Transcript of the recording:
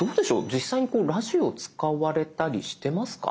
実際にラジオを使われたりしてますか？